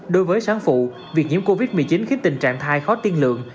đối với sáng phụ việc nhiễm covid một mươi chín khiến tình trạng thai khó tiên lượng